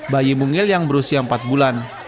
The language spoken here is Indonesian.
bayi mungil yang berusia empat bulan